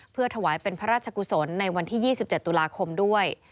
เพื่อถวายเป็นพระราชกุศลในวันที่๒๗ตุลาคมด้วย